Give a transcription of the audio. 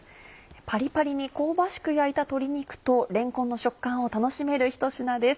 パリパリに香ばしく焼いた鶏肉とれんこんの食感を楽しめるひと品です。